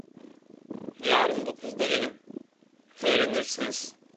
Yarın dokuzda gelin, öğrenirsiniz!